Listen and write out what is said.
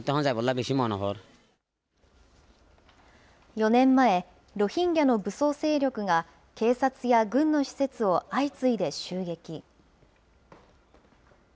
４年前、ロヒンギャの武装勢力が警察や軍の施設を相次いで襲撃。